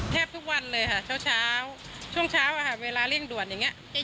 แทบทุกวันเลยค่ะเช้าช่วงเช้าอะค่ะเวลาเร่งด่วนอย่างนี้